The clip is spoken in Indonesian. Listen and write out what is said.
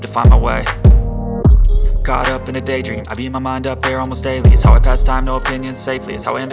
sampai jumpa di video selanjutnya